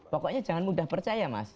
pkok nya jangan mudah percaya mas